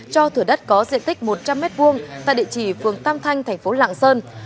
cho thửa đất có diện tích một trăm linh m hai tại địa chỉ phường tam thanh thành phố lạng sơn